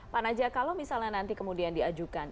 pak naja kalau misalnya nanti kemudian diajukan